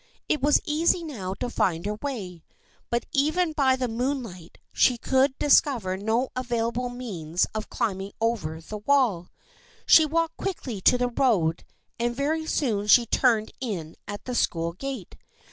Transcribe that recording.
It was easy now to find her way, but even by the moonlight she could discover no available means of climbing over the wall. She walked quickly to the road and very soon she turned in at the school gate.